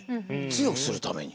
強くするために。